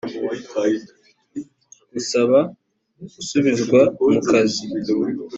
gusaba gusubizwa mu kazi